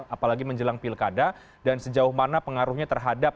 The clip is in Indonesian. apalagi menjelang pilkada dan sejauh mana pengaruhnya terhadap